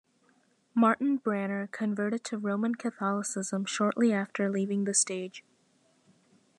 Martin Branner converted to Roman Catholicism shortly after leaving the stage.